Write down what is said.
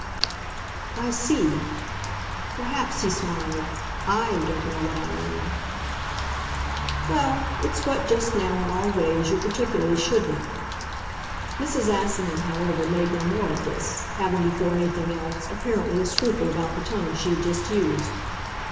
"I see. Perhaps," he smiled, "I don't know what I mean." "Well, it's what, just now, in all ways, you particularly should know." Mrs. Assingham, however, made no more of this, having, before anything else, apparently, a scruple about the tone she had just used.